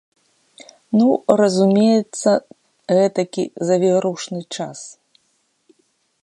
Ну, разумеецца, гэтакі завірушны час.